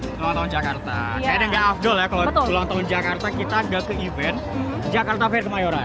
ulang tahun jakarta kayaknya nggak afdol ya kalo ulang tahun jakarta kita nggak ke event jakarta fair kemayoran